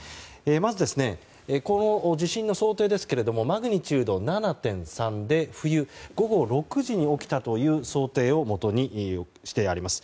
まず、地震の想定ですけれどもマグニチュード７．３で、冬午後６時に起きたという想定をもとにしてあります。